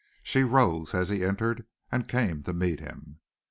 She rose as he entered, and came to meet him.